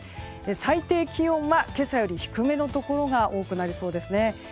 最低気温は今朝より低めのところが多くなりそうですね。